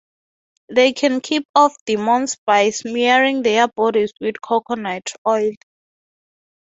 They can keep off demons by smearing their bodies with coconut oil.